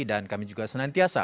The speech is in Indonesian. dan kami juga senantiasa